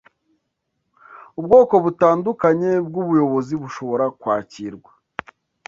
ubwoko butandukanye bwubuyobozi bushobora kwakirwa